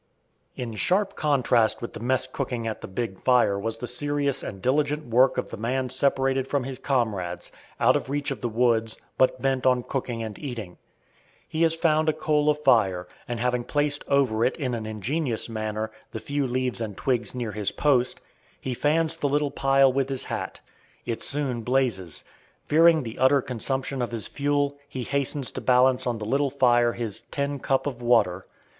In sharp contrast with the mess cooking at the big fire was the serious and diligent work of the man separated from his comrades, out of reach of the woods, but bent on cooking and eating. He has found a coal of fire, and having placed over it, in an ingenious manner, the few leaves and twigs near his post, he fans the little pile with his hat. It soon blazes. Fearing the utter consumption of his fuel, he hastens to balance on the little fire his tin cup of water.